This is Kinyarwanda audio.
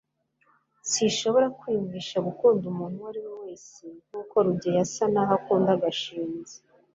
sinshobora kwiyumvisha gukunda umuntu uwo ari we wese nkuko rugeyo asa naho akunda gashinzi